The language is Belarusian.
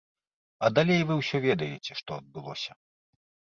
А далей вы ўсё ведаеце, што адбылося.